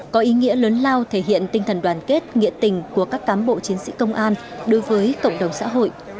có ý nghĩa lớn lao thể hiện tinh thần đoàn kết nghĩa tình của các cám bộ chiến sĩ công an đối với cộng đồng xã hội